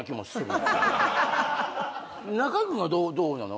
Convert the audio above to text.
中居君はどうなの？